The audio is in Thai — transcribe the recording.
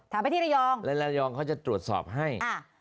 ไปที่ระยองและระยองเขาจะตรวจสอบให้